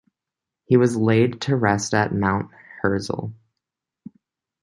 He was laid to rest at Mount Herzl.